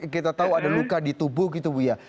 kita tahu ada luka di tubuh gitu bu ya